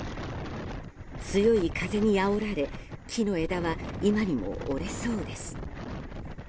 強い風にあおられ、木の枝は今にも折れそうです。